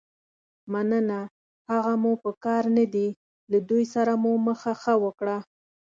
مننه، هغه مو په کار نه دي، له دوی سره مو مخه ښه وکړه.